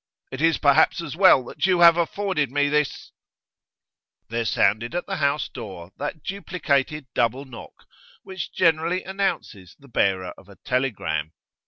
It is perhaps as well that you have afforded me this ' There sounded at the house door that duplicated double knock which generally announces the bearer of a telegram.